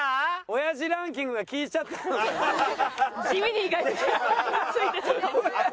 おやじランキングが効いちゃったんじゃない？